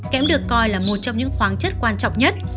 kem được coi là một trong những khoáng chất quan trọng nhất